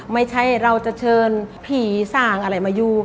ไม่ใช่เราจะเชิญผีสางอะไรมาอยู่